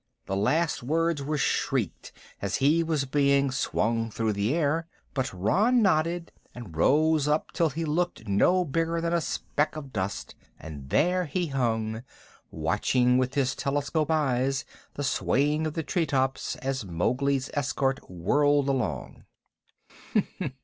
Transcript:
The last words were shrieked as he was being swung through the air, but Rann nodded and rose up till he looked no bigger than a speck of dust, and there he hung, watching with his telescope eyes the swaying of the treetops as Mowgli's escort whirled along.